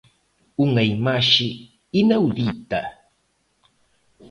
Unha imaxe inaudita.